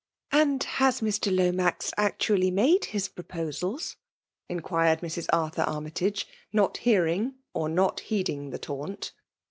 '' And has Mr. Lomax actually mibd* hm proposals V inquired Mrs. Arthur Axnrf jtage, iw>t hearing or not heeding the iautt.